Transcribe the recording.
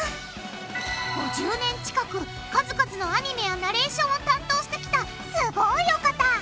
５０年近く数々のアニメやナレーションを担当してきたすごいお方！